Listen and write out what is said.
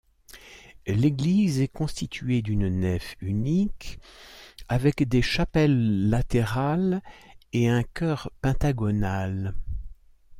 L'église est constituée d'une nef unique avec des chapelles latérales et un chœur pentagonal.